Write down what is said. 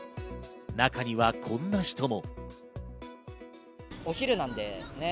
中にはこんな人も。